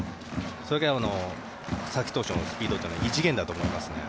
それだけ佐々木投手のスピードというのは異次元だと思いますね。